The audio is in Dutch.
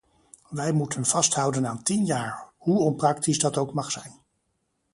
Wij moeten vasthouden aan tien jaar, hoe onpraktisch dat ook mag zijn.